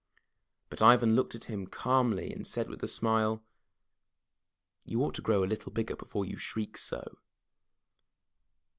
'' But Ivan looked at him calmly and said with a smile. You ought to grow a little bigger before you shriek so."